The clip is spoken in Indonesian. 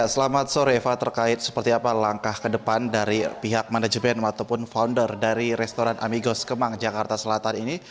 selamat sore eva terkait seperti apa langkah ke depan dari pihak manajemen ataupun founder dari restoran amigos kemang jakarta selatan ini